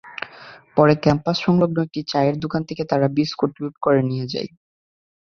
পরে ক্যাম্পসংলগ্ন একটি চায়ের দোকান থেকে তারা বিস্কুট লুট করে নিয়ে যায়।